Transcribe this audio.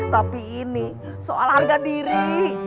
tapi ini soal harga diri